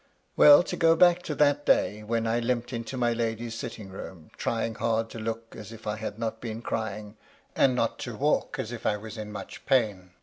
Well, to go back to that day when I limped into my lady's sitting room, trying hard to look as if I had not been crying, and not to walk as if I was in much pain.